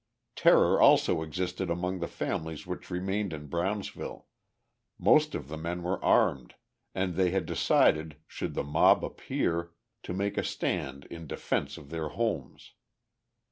Terror also existed among the families which remained in Brownsville; most of the men were armed, and they had decided, should the mob appear, to make a stand in defence of their homes.